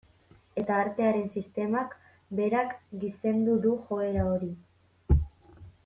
Eta artearen sistemak berak gizendu du joera hori.